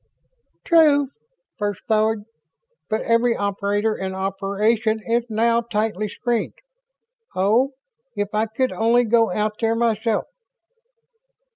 "True, First Lord. But every operator and operation is now tightly screened. Oh, if I could only go out there myself